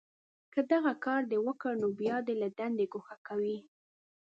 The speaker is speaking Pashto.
که دغه کار دې وکړ، نو بیا دې له دندې گوښه کوي